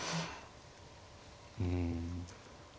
うん。